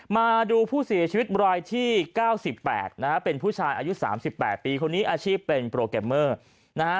มาดูผู้เสียชีวิตรายที่๙๘นะฮะเป็นผู้ชายอายุ๓๘ปีคนนี้อาชีพเป็นโปรแกรมเมอร์นะฮะ